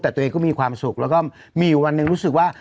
แต่ตัวเองก็มีความสุขแล้วก็มีอยู่วันหนึ่งรู้สึกว่า